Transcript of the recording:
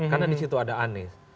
karena di situ ada anies